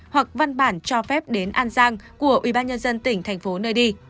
hoặc văn bản cho phép đến an giang của ubnd tỉnh thành phố